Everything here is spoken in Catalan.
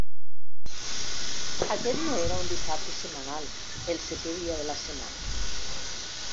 Aquest no era un dissabte setmanal, el setè dia de la setmana.